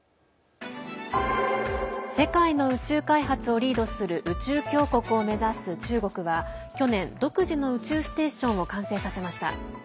世界の宇宙開発をリードする宇宙強国を目指す中国は去年、独自の宇宙ステーションを完成させました。